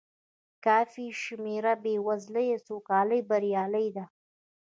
کافي شمېر بې وزلۍ سوکالۍ بریالۍ دي.